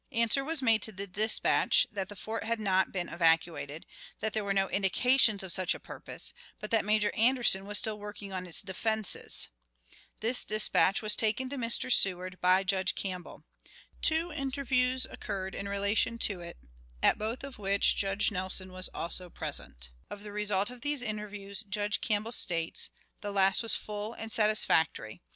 Answer was made to this dispatch, that the fort had not been evacuated, that there were no indications of such a purpose, but that Major Anderson was still working on its defenses. This dispatch was taken to Mr. Seward by Judge Campbell. Two interviews occurred in relation to it, at both of which Judge Nelson was also present. Of the result of these interviews, Judge Campbell states: "The last was full and satisfactory.